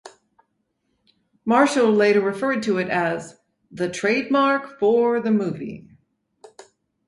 Marshall later referred to it as "the trademark for the movie".